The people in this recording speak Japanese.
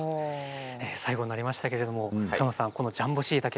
最後になりましたけれども高野さん、このジャンボしいたけ